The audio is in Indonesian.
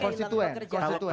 ada yang keintang bekerja